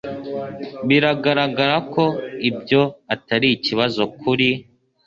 Biragaragara ko ibyo atari ikibazo kuri .